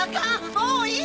もういい！